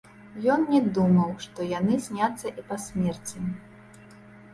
Ён не думаў, што яны сняцца і па смерці.